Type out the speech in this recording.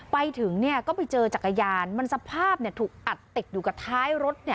ไปถึงเนี่ยก็ไปเจอจักรยานมันสภาพถูกอัดติดอยู่กับท้ายรถเนี่ย